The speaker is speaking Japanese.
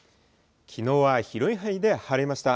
きのうは広い範囲で晴れました。